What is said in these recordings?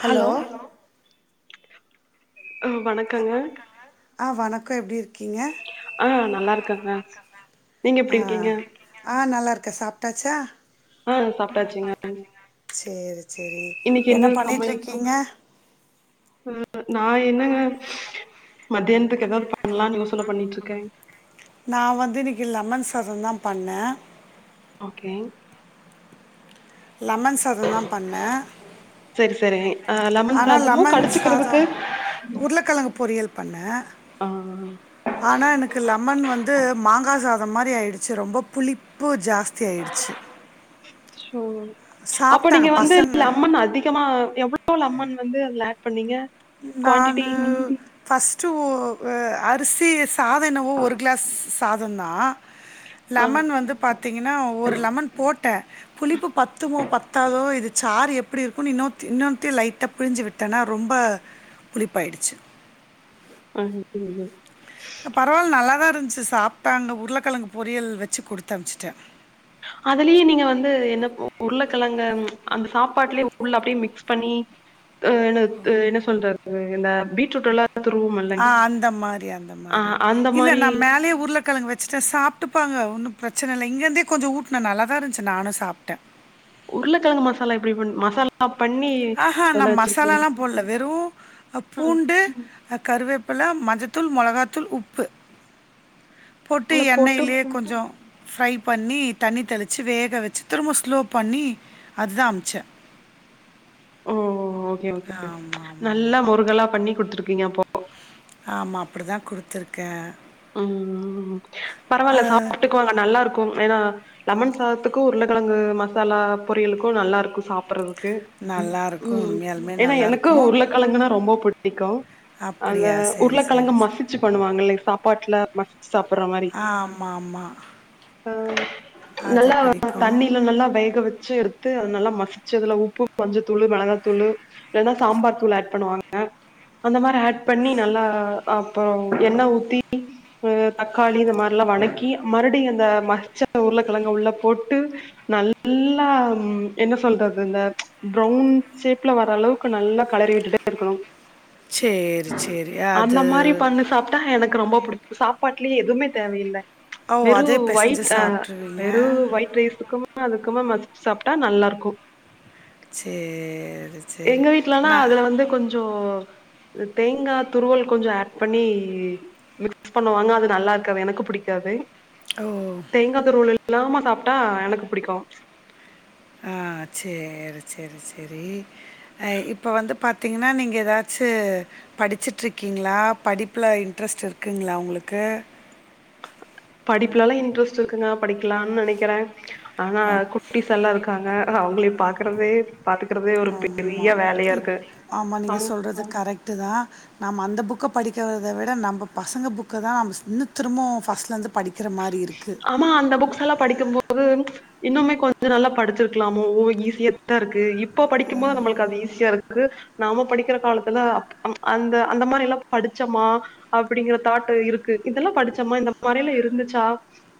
Hello. ம் வணக்கங்க. ஆ வணக்கம் எப்டி இருக் ஆ நல்லா இருக்கங்க நீங்க ஆ எப்டி இருக்கீங்க ஆ நல்லா இருக்கே சாப்டாச்சா ஆ சாப்டாச்சுங்க. சேரி சேரி. என்ன பண்ணிட்டிருக்கீங்க? ம் நா என்னங்க மத்தியானத்துக்கு ஏதாது பண்ணலான்னு யோசன பண்ணிட்ருக்க நா வந்து இன்னிக்கி லெமன் சாதம் தா பண்ண ஓகேங் லெமன் சாதோ தா பண்ண சரி சரி ஆ லெமன் ஆனா சாதமு லெமன் சாதோ கடிச்சுக்கிறதுக்கு உருளக்கெழங்கு பொரியல் பண்ண ஆ ஆனா எனக்கு லெமன் வந்து மாங்கா சாதோ அந்த மாரி ஆயிடுச்சி ரொம்ப புளிப்பு ஜாஸ்தி ஆயிடுச்சி அச்சோ அப்போ சாப்ட்டாங்க நீங்க வந்து பசங்க லெமன் அதிகமா எவ் ளோ லெமன் வந்து அதுல அட் பண்ணீங்க குவான்டிட்டி நானு ஃபர்ஸ்ட் ஒ வ அரிசி ஸ் சாதோ என்னவோ ஒரு கிளாஸ் சாதோ தா ஆ லெமன் வந்து பத் திங்கன்னா ஒரு லெமன் போட்ட புளிப்பு பத்துமோ பத்தாதோ இது சாரு எப்டி இருக்குனு இன்னொ இன்னொத்தியு லைட்டா புளிஞ்சி விட்டனா ரொம்ப புளிப்பாயிடுச்சி ஹாய் எப்டி க பரவால் நல்லாதா இருந்ச்சி சாப்ட்டாங் நா உருளக்கெழங்கு பொரியல் வெச்சு குடுத்தம்ச்சிட்டே அதுலயே நீங்க வந்து என்ன ஓ உருளக்கெழங்க ம் அந்த சாப்பாட்லே உள்ள அப்டியே மிக்ஸ் பண்ணி அ என்ன து என்ன சொல்றது இந்த பீட்ரூட் எல்லா ஆ அந்த மாரி அந்த ஆ மாரி அந்த இல்ல மாரி நா மேலயே உருளக்கெழங் வெச் சிட்டே சாப்ட்டுப்பாங்க ஒன்னு பிரச்சன இல்ல இங்கிர்ந்தே கொஞ்சோ ஊட்னே நல்லதா இருந்ச்சி நானு சாப்ட்டே உருளக்கெழங்க மசாலா எப்டி பண் மசா லா பண்ணி ஆ ஹா நா மசாலால்லா போட்ல வெறு ஆ பூண்டு கருவேப்பல மஞ்சத்தூள் மொளகாத்தூள் உப்பு போட்டு எண்ணெயிலே கொஞ்சோ ஃப்ரை பண்ணி தண்ணி தெளிச்சி வேக வெச்சு திரும்ப ஸ்லோ பண்ணி அது தா அம்சே ம் ஓகே ஓகே ஸ் ஆமாம் ஆமாம் நல்லா ஆமாம் முருகலா பண்ணி குடுத்துருக்கீங்க அப்போ ஆமா அப்டி தா குடுத்துருக்கே ம் பரவால்ல சாப்ட்டுக்குவாங்க நல்லாருக்கும் ஏனா லெமன் சாதத்துக்கு உருளக்கெழங்கு மசாலா பொரியலுக்கு நல்லாருக்கு சாப்பட்றதுக்கு நல்லாயிருக்கும் ம் உண்மையாலுமே ஏனா எனக்கு நல்லாயிருக்கும் உருளக்கெழங்குனா ரொம்ப புடிக்கு அந்த அப்படியா சரி உருளக்கெழங்க சரி சரி மசிச்சு பண்ணுவாங்கில்லே சாப் பாட்ல மசிச்சு சாப்பட்ற மாரி ஆமாம் ஆமாம் அ அது நல்லா பிடிக்கும் தண்ணீல நல்லா வேக வெச்சு எடுத்து அது நல்லா மசிச்சு அதுல உப்பு, மஞ்சத்தூளு, மெளகா தூளு இல்லனா சாம்பார் தூளு ஏட் பண்ணுவாங்க அந்த மாரி ஏட் பண்ணி நல்லா அப்றோ எண்ண ஊத்தி அ தக்காளி இந்த மார்ல்லா வணக்கி மறுபடி அந்த மசிச்ச உருளக்கெழங்க உள்ள போட்டு நல்லா ம் என்ன சொல்றது இந்த ப்ரவுன் ஷேப்ல வர அளவுக்கு நல்லா களரி விட்டுட்டு இருக்கணு சேரி சேரி அது தா எனக்கு ரொம்போ புடிக்கு சாப்பாட்லே எதுமே தேவயில்ல ஓ வெறு அதே பிசைஞ்சு ஒய்ட் அ வெறு சாப்பிட்ருவீங்க ஒய்ட் ரைஸுக்கும் அதுக்குமா மஸ்ச்சு சாப்ட்டா நல்லார்க்கு சேரி சேரி நா சோ தேங்கா துருவல் கொஞ்சோ ஏட் பண்ணி மிக்ஸ் பண்ணுவாங்க அது நல்லாருக்காது எனக்கு புடிக்காது ஓ தேங்கா துருவல் இல்லாம சாப்ட்டா எனக்கு பிடிக்கு ஆ‌ சேரி சேரி சேரி அ இப்ப வந்து பாத்தீங்கனா நீங்க எதாச்சு படிச்சிட்ருக்கீங்களா படிப்புல இன்ட்ரெஸ்ட் இருக்குங்ளா உங்ளுக்கு படிப்புலல்லா இன்ட்ரெஸ்ட் இருக்குங்க படிக்கிலான் நெனைக்கற ஆனா குட் டீஸ் எல்லா இருக்காங்க அவுங்ளயு பாக் கறது பாத்துக்கறதே ஒரு பெரிய வேலயாருக்கு அவுங் றது கரெக்ட் டுதா நம்ம அந்த புக்க படிக்கறத விட நம்ப பசங்க புக்க தா நம்ம ஸ் இன்னு திரும்மு ஃபஸ்ட்லந்து படிக்கற மாரி இருக்கு மா அந்த புக்ஸ் எல்லா படிக்கும் போது இன்னுமே கொஞ்ச நல்லா படிச்சிருக்லாமோ ஓ ஈஸியா தாருக்கு இப் போ படிக்கும் போது நம்மள்க்கு அது ஈஸியாருக்கு நாம படிக்கிற காலத்துல அப் அம் அந்த அந்த மாரி எல்லா படிச்சமா அப்டிங்கற தாட்டு் இருக்கு இதெல்லா படிச்சமா இந்த மாரில்லா இருந்துச்சா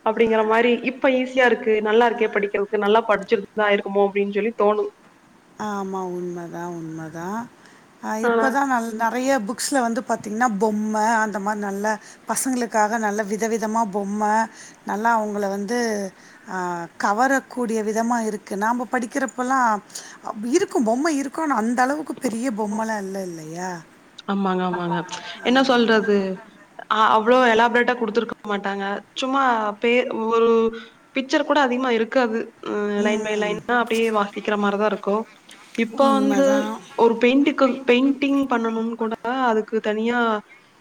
அப்டிங்கிற மாறி இப்ப ஈஸியாருக்கு நல்லார்க்கே படிக்கிறவ்க்கு நல்லா படிச்சிற்தா ஆய்ர்க்குமோ அப்டின் சொல்லி தோணு ஆமா உண்மதா உண்மதா அ இப்பதா நல் நறையா புக் க்ஸ்ல வந்து பாத்திங்னா பொம்ம அந்த மார் நல்ல பசங்க்ளுக்காக நல்ல விதவிதமா பொம்ம நல்லா அவுங்குள வந்து ஆ கவரக்கூடிய விதமா இருக்கு நாம்ப படிக்குறப்பல்லா அப்பி இருக்கும் பொம்ம இருக்கு னா அந்த அளவுக்கு பெரிய பொம்மலால்ல இல்லயா அம்மாங்க ஆமாங்க என்ன சொல்றது ஆ அவ்ளோ எலாப்ரேட்டா குடுத்துருக் மாட்டாங்க சும்மா பேர் ஒரூ பிச்சர் கூட அதிக்மா இருக்காது ம் லைன் பை லைன் ஆ அப்டியே வாசித்திக்கிற மாறிதாருக்கு இப்ப வந்து உண்மதான். ஒரு பெய்ண்ட்டுக்கு பெய்ண்டிங் பண்ணனும் கூட அதுக்கு தனியா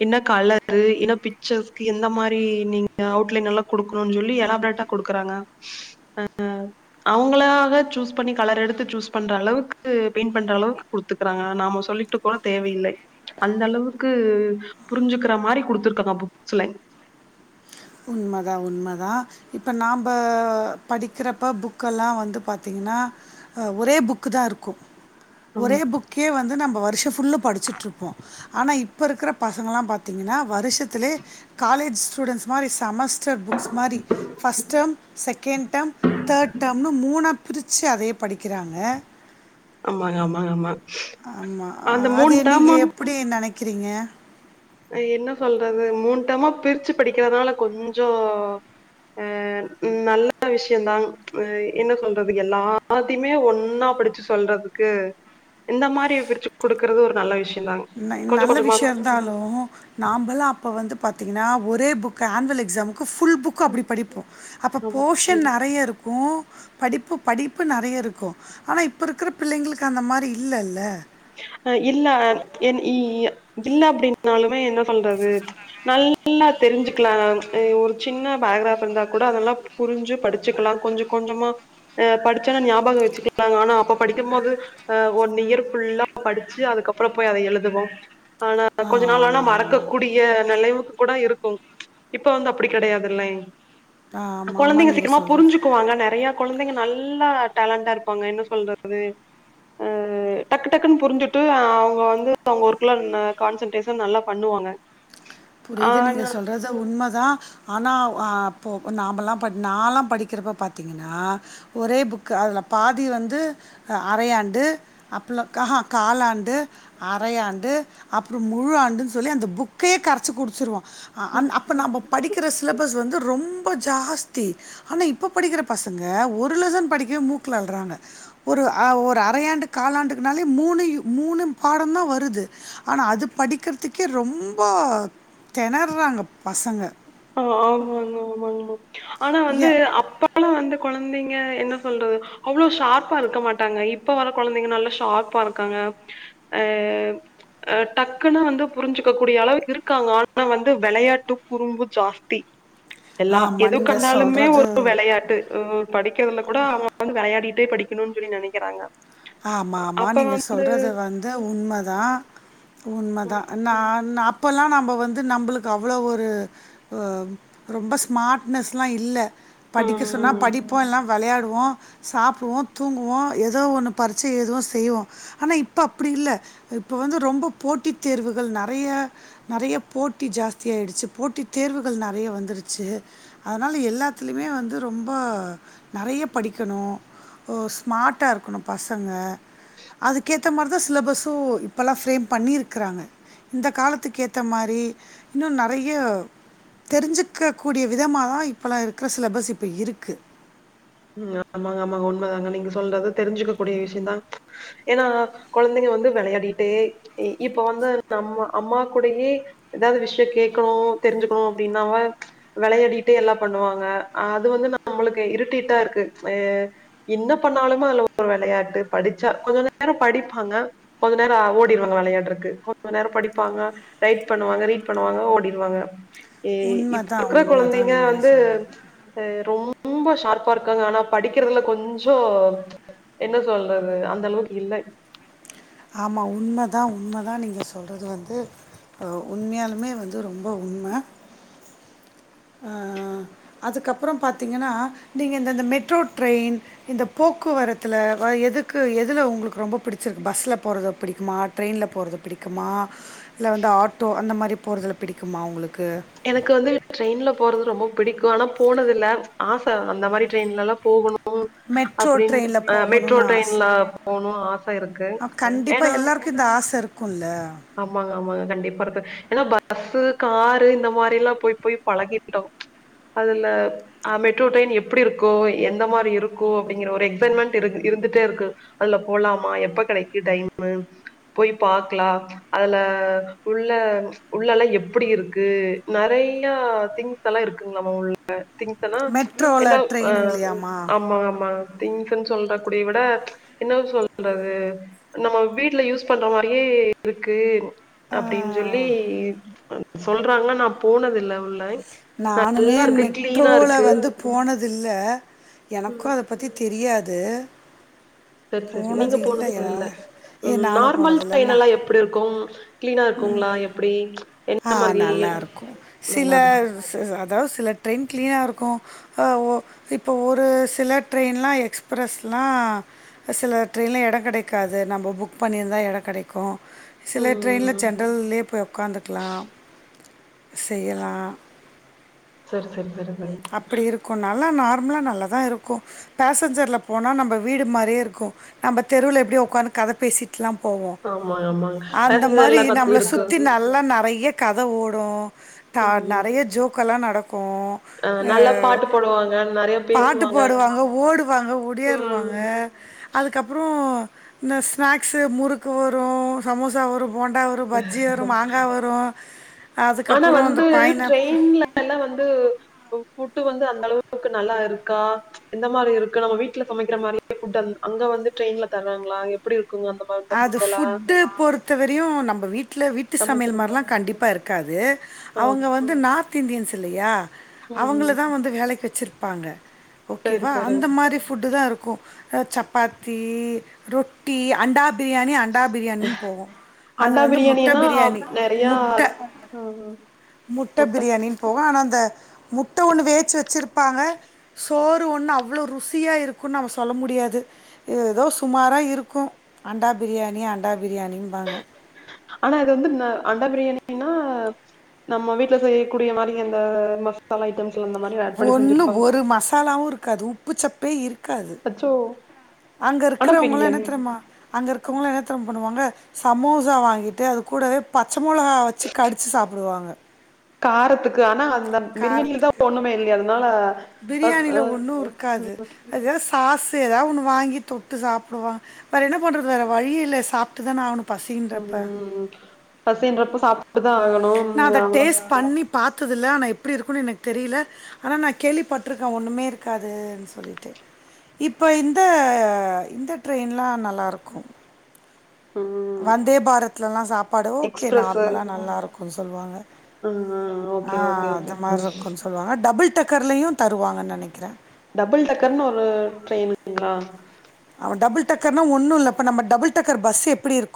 இன்ன கலரு இன்னப் பிச்சர்ஸ்க்கு எந்த மாறி நீங்க அவுட்லைன் எல்லா குடுக்கணுன் ஜொல்லி எலாப்ரேட்டா குடுக்குறாங்க [inaudible] அவ்ங்களாக ச்சூஸ் பண்ணி கலர் எடுத்து ச்சூஸ் பண்ற அளவுக்கு பெய்ண் பண்ற அளவ்க் குடுத்துக்றாங்க நாமோ சொல்லிட்டு கூடத் தேவையில்லை அந்த அளவுக்கு புரிஞ்சுக்குற மாறி குடுத்ருக்கதா புக்ஸ்லைன் உண்மதா உண்மதா இப்ப நாம்ப படிக்குறப்ப புக்கல்லா வந்து பாத்திங்கன்னா அ ஒரே புக்குதா இருக்கு ஆமா ஒரே புக்யே வந்து நம்ப வருஷ்ஷ ஃபுல்லூ படிச்சிட்ருப்போ ஆனா இப்பருக்குறப் பசங்கலா பாத்திங்கின்னா வருஷத்துலே காலேஜ் ஸ்டூடண்ட்ஸ் மாறி சமஸ் ச்சர் புக்ஸ் மாறி ஃபஸ் டம் செகேண் டம் த டம்னு மூணா பிரிச்சி அதே படிக்கிறாங்க ஆமாங்க அம்மா அம்மா ஆமா அத்யெ நீங்கே எப்புடி நனைக்கிறிங்க அ என்ன சொல்றது மூன் டம்மா பிருச்சு படிக்றனால கொஞ்சோ அ நல்ல விஷ்யம் தான் வய் இன்னு சொல்றது எல்லா ஆத்திமே ஒன்னா படிச்சி சொல்றதுக்கு இந்த மாறி பிருச்சுக் குடுக்குறது ஒரு நல்ல விஷ் யந்தாங் கொஞ்ச கொஞ்சமா கா நாலூ நாம்பல்லா அப்ப வந்து பாத்திங்கன்னா ஒரே புக்க ஆன்வல் எக்ஸாம்க்கு ஃபுல் புக் கு அப்டி படிப்போ அப்ப போஷன் நறையா இருக்கு படிப்பு படிப்பு நறைய இருக்கு ஆனா இப்ப இருக்குற பிள்ளைங்ளுக்கு அந்த மாறி இல்லல்ல அ இல்ல அண் என் ஈ இய இல்ல அப்டின் னாலுமே என்ன சொல்றது நல்லா தெருஞ்சுக்லா அம் அயோ ஒரு சின்ன பய்க்ராஃப் ருந்தாக் கூட அதல்லாப் புருஞ்சு படுச்சுக்லா கொஞ்ச கொஞ்சமா எ படிச்சன ஞாபக வெச்சிக்லாங் ஆனா அப்ப படிக்குமோது ஆ ஒன் இயர் ஃபுல்லா படுச்சி அதுக்கப்ற போய் அத எழுதுவோ ஆனா கொஞ்ச நாள் ஆனா ஆமா, ஆமா. மறக்கூடிய நெலமைக்கு கூட இருக் ககு இப்ப வந்து அப்டி கெடையாதில்லைங் ஆமாமா கொழந்தைங்க நீங்க சீக்கிரமா சொல்றது. புரிஞ்சுக்குவாங்க நெறையாப் கொழந்தைங்க நல்லா டேலண்டா இருப்பாங்க என்ன சொல்றது ஆ டக்கு ட்டக்குன்னு புரிஞ்சுட்டு அவங்க வந்து அவங்க ஒர்க்ல ந கான்சன்ட்ரேஷன் நல்லா பண்ணுவாங்க புரியுது நீங்க ஆனா சொல்றது த உண்மதா ஆனா ஆ அப்போ மாமலா பட் நாலா படிக்கிறப்ப பாத்தீங்கன்னா ஒரே புக்கு அதுல பாதி வந்து அரையாண்டு அப்லஹாகா காலாண்டு அரைையாண்டு அப்பறோ முழு ஆண்டு சொல்லி அந்த புக்கையே கரச் படிச்சி குடிச்சிருவோ அ அந் அப்ப நம்ம படிக்கிற சிலபஸ் வந்து ரொம்ப ஜாஸ்தி ஆனா இப்போ படிக்கிற பசங்க ஒரு லெசன் படிக்கவே மூக்குல அல்றாங்க ஒரு அ ஒரு அரையாண்டு காலாண்டுக்கனாலே மூணு மூணு பாடந்தா வருது ஆனா அது படிக்கற்திக்கே ரொம்போ தெணற்றாங்க பசங்க ஆ ஆமாங்க ஆமாங்கம்மா ஆனா வந்து ஏ அப்ப ஆனா வந்து குழந்தைங்க என்ன சொல்றது அவ்ளோ ஷார்பா இருக்க மாட்டாங்க இப்ப வர்ர குழந்தைங்க நல்லா ஷார்பா இருக்காங்க ஆ ஆ டக்குன்ன வந்து புரிஞ்சுக்க கூடிய அளவு இருக்காங்க ஆனா வந்து வெளையாட்டு குறும்பு ஜாஸ்தி எல்லா ஆமாம் நீங்கள் எதுக்கண்டாலும்மே சொல்கிறது ஒரு விளையாட்டு ஊ படிக்கிறதுல கூட அவுங்க வந்து விளையாடிட்டே படிக்கணுனு சொல்லி நினைக்கிறாங்க ஆமா ஆமா நீங்க சொல்றது வந் து உண்மதா உண்மதா ந நாப் இப்போல்லா நம்ம வந்து நம்ளுக்கு அவ்ளோ ஒரு வொ ரொம்ப ஸ்மார்ட்னஸ்லா இல்ல ம் படிக்க சொன்னா ம். படிப்போ இல்ல விளையாடுவோ சாப்டுவோ தூங்குவோம் ஏதோ ஒன்னு பரிட்ச எதுவு செய்வோ ஆனா இப்ப அப்டி இல்ல இப்ப வந்து ரொம்ப போட்டித் தேர்வுகள் நெறைய நெறைய போட்டி ஜாஸ்தி ஆயிடுச்சு போட்டித் தேர்வுகள் நெறைய வந்திருச்சி அதனால எல்லாத்திலியுமே வந்து ரொம்ப நெறைய படிக்கணு ஓ ஸ்மாட்டா இருக்கணு பசங்க அதுக்கேத்த மாரிதா சிலபஸு இப் இப்பெல்லா ஃப்ரேம் பண்ணீர்க்றாங்க இந்த காலத்துக்கேத்த மாரி இன்னு நெறைய தெரிஞ்சிக்க கூடிய விதமா தா இப்பல்லா இருக்கற சிலபஸ் இப்ப இருக்கு ம் ஆமாங்க ஆமாங்க உண்மதாங்க நீங்க சொல்றது தெரிஞ்சிக்க கூடிய விஷ்யோ தா ஏன்னா கொழந்தைங்க வந்து விளையாடிகிட்டே இப்ப வந்து நம்ம அம்மா கூடையே எதாவ்து விஷ்யோ கேக்கணு தெரிஞ்சிக்கணு அப்டின்னாவா வெளையாடிட்டே எல்லா பண்ணுவாங்க அது வந்து நம்மளுக்கு இருடேட்டா இருக்கு அ என்ன பண்ணாலுமே அதுல ஒரு வெளையாட்டு படிச்சா கொஞ்ச நேரோ படிப்பாங்க கொஞ்ச நேரோ ஓடிருவாங்க வெளையாட்றக்கு கொஞ்ச நேரோ படிப்பாங்க ரைட் பண்ணுவாங்க ரீட் பண்ணுவாங்க ஓடிருவாங்க ஏய் இப்ப உண்மதான், இருக்கற உண்மதான் கொழந்தைங்க நீங்க வந்து சொன்னது. ஆ ரொம்ப ஷார்ப் இப்ப இருக்காங்க ஆனா படிக்கறதுல கொஞ்சோ என்ன சொல்றது அந்தளவுக்கு இல்ல ஆமா உண்ம தா உண்ம தா நீங்க சொல்றது வந்து ஓ உண்மையாலுமே வந்து ரொம்ப உண்ம ஆ அதுக்கப்பறம் பாத்தீங்கன்னா நீங்க இந்த இந்த மெட்ரோ ட்ரெயின் இந்த போக்குவரத்துல அ எதுக்கு எதுல உங்ளுக் ரொம்ப பிடிச்சிருக்கு பஸ்ல போறது பிடிக்குமா ட்ரெய்ன்ல போறது பிடிக்குமா இல்ல வந்து ஆட்டோ அந்த மாரி போறதுல பிடிக்குமா உங்களுக்கு எனக்கு வந்து ட்ரெய்ன்ல போறது ரொம்ப பிடிக்கு ஆனா போனதில்ல ஆச அந்த மாரி ட்ரெய்ன்லல்லா போக ணு மெட்ரோ ட்ரெயினில் அப்டின்ட்டு மெட்ரோ போகணும்னு ட்ரெய்ன்ல போணுன் ஆச இருக்கு கண்டிப்பா ஏன்னா எல்லார்க்கு இந்த ஆச இருக்குல்ல ஆமாங்க ஆமாங்க கண்டிப்பா ருக்கு ஏனா பஸ்ஸு காரு இந்தம் மாரிலா பொய் பொய் பழகிட்டோ அதுல ஆ மெட்ரோ ட்ரெயின் எப்டி இருக்கோ எந்த மாரி இருக்கு அப்டிங்கிற ஒரு எக்ஸர்மென்ட் இருக் இருந்துட்டேருக்கு அல்ல போலாமா எப்ப கடைக்கு டைமு போய் பாக்லா அதுல உள்ள உள்ளலா எப்டி இருக்கு நறையா திங்ஸ் யெல்லா இருக்குங்ளமா உள் அ திங்ஸனா மெட்ரோவில் என்டாவ் ஆ ட்ரெயினுங்களையாம்மா அம்மவா ஆமா திங்ஸ்னு சொல்ற கூடிய விட என்னா சொல்றது நம்ம வீட்ல யூஸ் பண்ற மாரியே இருக்கு அப்டின் சொல்லி ஆஹ், சொல்றாங்க நா போனதில்ல உள்ளை நானுமே மெட்ரோல வந்து போனதில்ல எனக்கு ம். அத அத பத்தி தெரியாது சேரி சேரி நீங்க போனது இல்லை போனது இல்ல என்னால் ஏ ம் நானும் நார்மல் போனதில்லைண்ணா ட்ரெயின்னெல்லா எப் எப்டி இருக்கும் க்ளீனா இருக்குங்களா எப்டி ஆ என்ன மாரி நல்லாருக்கு சில நல்லா இருக்கும்? ச ச ட்ரெயின் க்ளினா இருக்கு ஆ ஒ இப்போ ஒரு சில ட்ரெயின்ல்லா எக்ஸ்பிரஸ்ல்லா சில ட்ரெயின்லா எட கெடைக்காது நம்ம புக் பண்ணியிருந்தா எட கெடைக்கு சில ட்ரெயின்ல ம். ஜென்ரல்லயே போய் உக்காந்துக்கலா செய்யலா சேர் சரி சரி சரி அப்டி இருக்கு நல்லா நார்மலா நல்லதா இருக்கு பேசஞ்சர்ல போனா நம்ப வீடு மாரியே இருக்கு நம்ப தெருவுல எப்டி உக்காந்து கத பேசிட் போவோ ஆமா ஆமாங்க அந்த மாரி பேசஞ்சர்ல பத்தி நம்பள இருக்கு சுத்தி ந நல்லா நெறைய கத ஓடு தா ம் நெறைய ஜோக்கெல்லா நடக்கு அ ஆ நல்லா பாட்டு போடுவாங்க நெறைய பாட்டு பேசுவாங்க பாடுவாங்க ஓடுவாங்க ஒடியாறுவாங்க ம் அதுக்கப்பறோ இந்த ஸ்நாக்ஸ்சு முறுக்கு வரு சமோசா வரு போண்டா வ பஜ்ஜி வரு மாங்கா வரு அதுக்கப்பற இந்த பைனா எல்லா வந்து ஃபுட்டு வந்து அந்தளவுக்கு நல்லா இருக்கா எந்த மாரி இருக்கு நம்ம வீட்டுல சமைக்கிற மாரியே ஃபுட்டு அங்க வந்து ட்ரெயின்ல தர்றாங்களா எப்டி இருக்குங்க அந்த மாரி அந்த அது ஃபுட் எல்லாம் ஃபுட்டு பொறுத்தவரையு நம்ம வீட்ல வீட்டு சமையல் சமைக்கிறமா மாரில்லா கண்டிப்பா இருக்காது ஓ அவுங்க வந்து நார்த் இந்தியன்ஸ் இல்லையா அவங்கள ம் தா வந்து வேலைக்கு வெச்சிருப்பாங்க சரி ஓகேவா அந்த சரிங்க மாரி ஃபுட்டு தா இருக்கு அ சப்பாத்தி ரொட்டி அண்டா பிரியாணி அண்டா பிரியாணின்னு போவோ அது அண்டா வந்து முட்ட பிரியாணினா பிரியாணி நெறையா முட்ட இருக்கு ம் முட்ட பிரியாணி போக ஆனா அந்த முட்ட ஒண்ணு வேச்சு வெச்சிருப்பாங்க சோறு ஒண்ணு அவ்வளோ ருசியா இருக்குன்னு நாம சொல்ல முடியாது ஏதோ சுமாரா இருக்கு அண்டா பிரியாணி அண்டா பிரியாணின்பாங்க ஆனா இது வந்து ம அண்டா பிரியாணினா நம்ம வீட்ல செய்யக்கூடிய மாரி அந்த மசாலா ஐட்டம்ஸ் ஒன்னு ஒரு மசாலாவு இருக்காது உப்பு சப்பே இருக்காது அச்சோ அங்க ஆனா இருக்கிறவங்கல்லா என்ன பிரியாணி தெரிமா அங்க இருக்கவங்களா என்னத்தெரிமா பண்ணுவாங்க சமோசா வாங்கிட்டு அது கூடவே பச்ச மொளகா வச்சு கடிச்சு சாப்டுவாங்க காரத்துக்கு ஆனா அந்த பிரியாணில தா ஒண்ணுமே இல்லையே அதனால அத் பிரியாணியில அ ஒண்ணு இருக்காது ஏது சாஸு ஏதாவது ஒன்னு வாங்கி தொட்டு சாப்டுவா வேற என்ன பண்றது வேற வழியில்ல சாப்ட்டுதான அவனு உம் பசின்றப்ப சாப்டுதா ஆகணும் அவ்ளோ பாத்ததில்ல ஆனா எப்டி இருக்குன்னு எனக்கு தெரியல ஆனா நா கேள்விப்பட்டிருக்க ஒன்னுமே இருக்காதுன் சொல்லிட்டு இப்ப இந்த இந்த ட்ரெயின்ல்லா நல்லாருக்கு ம் வந்தே பாரத்துலல்லா சாப்பாடு ஓகே எக்ஸ்பிரஸ்ஸு நார்மலா நல்லா இருக்கும்னு சொல்லுவாங்க ம் ஆ ஓகே ஓகே ஓகே அதுமார்ருக்கும்ன்னு சொல்லுவாங்க டபுள் டக்கர்லயு தருவாங்கன்னு நெனைக்கிற டபுள் டக்கர்ன்னு ஒரு ட்ரெயின்ங்களா அவ டபுள் டக்கர்னா ஒண்ணு இல்ல இப்ப நம்ம டபுள் டக்கர் பஸ் எப்டி இருக்கு